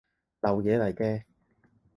流嘢嚟嘅